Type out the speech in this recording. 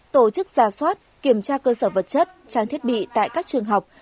tổ chức ra soát kiểm tra cơ sở vật chất trang thiết bị tại các trường học